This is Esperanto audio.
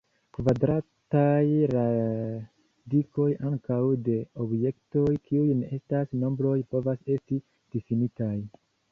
Kvadrataj radikoj ankaŭ de objektoj kiuj ne estas nombroj povas esti difinitaj.